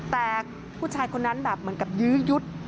แต่ผู้ชายคนนั้นแบบเหมือนกับยื้อยุด